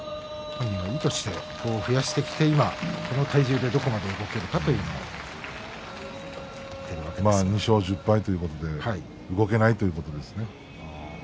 本人は意図して増やしてきて今、この体重でどこまで２勝１０敗ということで動けないということですね。